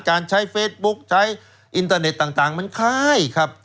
การใช้เฟซบุ๊คใช้อินเตอร์เน็ตต่างมันคล้ายครับ